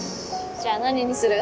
じゃあ何にする？